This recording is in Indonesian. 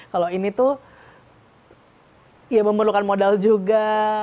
kalau ini tuh ya memerlukan modal juga